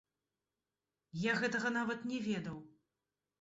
Я гэтага нават не ведаў!